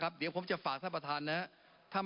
เดี๋ยวผมจะฝากท่านประธานนะครับ